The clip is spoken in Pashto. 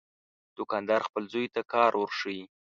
دوکاندار خپل زوی ته کار ورښيي.